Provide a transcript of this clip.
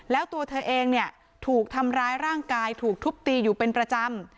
แล้วตัวเธอเองเนี่ยถูกทำร้ายร่างกายถูกทุบตีอยู่เป็นประจำ